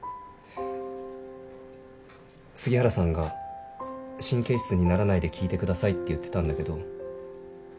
杉原さんが神経質にならないで聞いてくださいって言ってたんだけど。